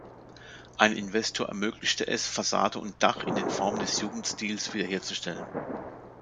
Ein Investor ermöglichte es, Fassade und Dach in den Formen des Jugendstils wiederherzustellen.